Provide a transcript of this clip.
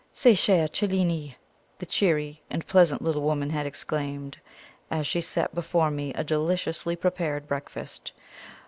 "Ce cher Cellini!" the cheery and pleasant little woman had exclaimed, as she set before me a deliciously prepared breakfast.